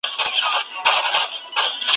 څه د خانانو، عزیزانو څه دربار مېلمانه